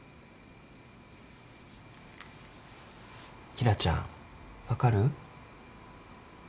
紀來ちゃん分かる？